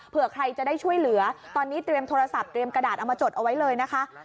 เผื่อใครจะได้ช่วยเหลือตอนนี้เตรียมโทรศัพท์เตรียมกระดาษเอามาจดเอาไว้เลยนะคะ